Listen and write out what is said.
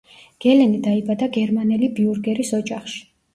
გელენი დაიბადა გერმანელი ბიურგერის ოჯახში.